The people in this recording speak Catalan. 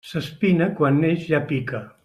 S'espina quan neix ja pica.